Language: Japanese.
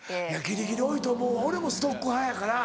ギリギリ多いと思う俺もストック派やから。